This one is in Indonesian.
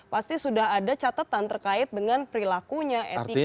pasti sudah ada catatan terkait dengan perilakunya etika